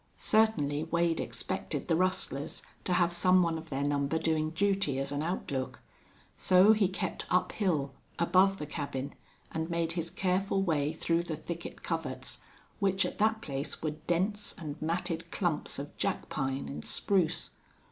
Certainly Wade expected the rustlers to have some one of their number doing duty as an outlook. So he kept uphill, above the cabin, and made his careful way through the thicket coverts, which at that place were dense and matted clumps of jack pine and spruce.